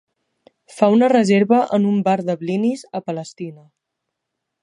Fa una reserva en un bar de blinis a Palestina.